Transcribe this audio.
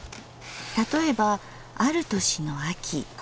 例えばある年の秋。